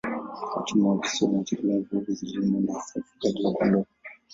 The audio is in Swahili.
Uchumi wa visiwa unategemea uvuvi, kilimo na hasa ufugaji wa kondoo.